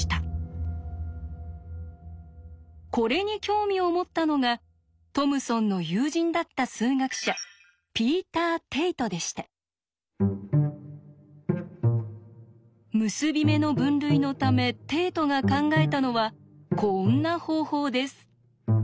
これに興味を持ったのがトムソンの友人だった数学者結び目の分類のためテイトが考えたのはこんな方法です。